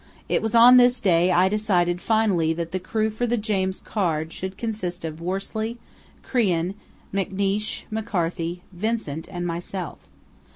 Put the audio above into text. It was on this day I decided finally that the crew for the James Caird should consist of Worsley, Crean, McNeish, McCarthy, Vincent, and myself.